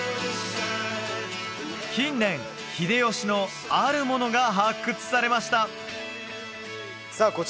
近年秀吉のあるものが発掘されましたさあ